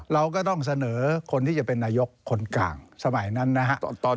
เราก็ต้องเสนอคนที่จะเป็นนายกคนกลางสมัยนั้นนะฮะ